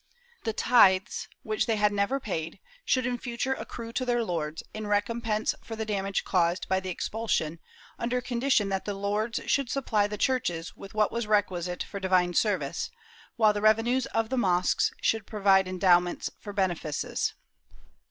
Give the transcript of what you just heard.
The tithes, which they had never paid, should in future accrue to their lords, in recompense for the damage caused by the expulsion, under condition that the lords should supply the churches with what was requisite for divine service, while the revenues of the mosques should provide endowments for bene fices.